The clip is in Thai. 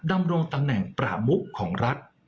ดำรงตำแหน่งประมุขของรัฐ